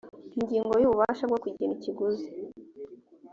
ingingo ya ububasha bwo kugena ikiguzi